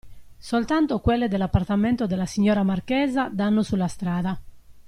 Soltanto quelle dell'appartamento della signora marchesa danno sulla strada.